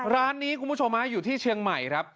ร้านนี้คุณผู้ชมอยู่ที่เชียงใหม่ครับ